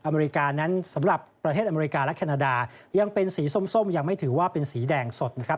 อเมริกานั้นสำหรับประเทศอเมริกาและแคนาดายังเป็นสีส้มยังไม่ถือว่าเป็นสีแดงสดนะครับ